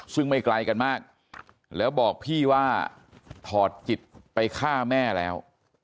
ซึ่งไม่ไกลกันมากแล้วบอกพี่ว่าถอดจิตไปฆ่าแม่แล้ว